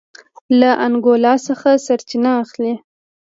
له انګولا څخه سرچینه اخلي.